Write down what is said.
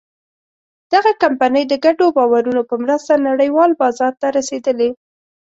دغه کمپنۍ د ګډو باورونو په مرسته نړۍوال بازار ته رسېدلې.